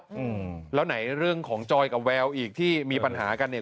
อืมแล้วไหนเรื่องของจอยกับแววอีกที่มีปัญหากันเนี่ย